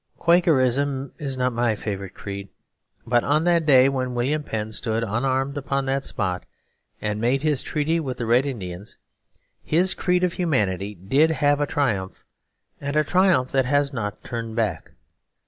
Quakerism is not my favourite creed; but on that day when William Penn stood unarmed upon that spot and made his treaty with the Red Indians, his creed of humanity did have a triumph and a triumph that has not turned back.